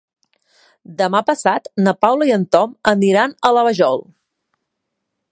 Demà passat na Paula i en Tom aniran a la Vajol.